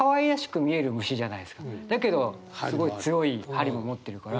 だけどすごい強い針も持ってるから。